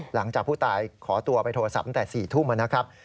หลังจากผู้ตายขอตัวไปโทรศัพท์แต่๔ทุ่มนะครับ